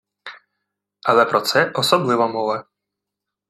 Але про це особлива мова